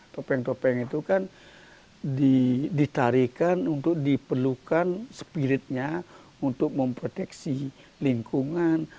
topeng topeng itu kan ditarikan untuk diperlukan spiritnya untuk memproteksi lingkungan